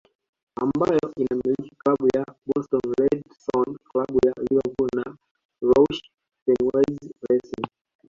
Ambayo inamiliki Klabu ya Boston Red Sox klabu ya Liverpool na Roush Fenways Racing